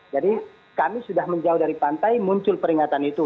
jadi kami sudah menjauh dari pantai muncul peringatan itu